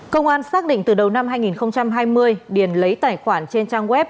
công an xác định từ đầu năm hai nghìn hai mươi điền lấy tài khoản trên trang web